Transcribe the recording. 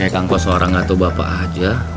eh kang kok seorang nggak tahu bapak aja